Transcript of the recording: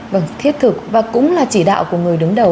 vâng thiết thực và cũng là chỉ đạo của người đứng đầu